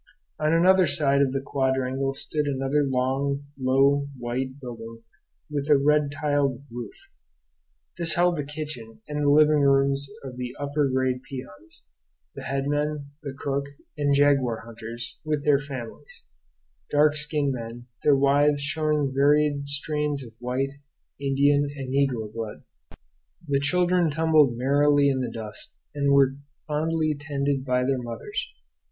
On another side of the quadrangle stood another long, low white building with a red tiled roof; this held the kitchen and the living rooms of the upper grade peons, the headmen, the cook, and jaguar hunters, with their families: dark skinned men, their wives showing varied strains of white, Indian, and negro blood. The children tumbled merrily in the dust, and were fondly tended by their mothers.